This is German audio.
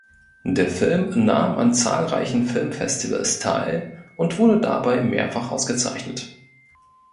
Der Film nahm an zahlreichen Filmfestivals teil und wurde dabei mehrfach ausgezeichnet.